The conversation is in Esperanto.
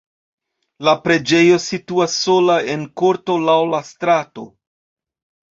La preĝejo situas sola en korto laŭ la strato.